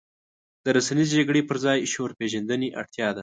د رسنیزې جګړې پر ځای شعور پېژندنې اړتیا ده.